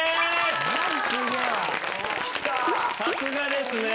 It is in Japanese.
さすがですね。